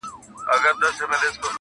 وچ لانده بوټي يې ټوله سوځوله-